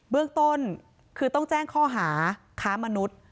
เรื่องต้นคือต้องแจ้งข้อหาค้ามนุษย์